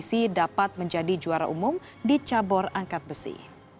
pc dapat menjadi juara umum di cabur angkat besi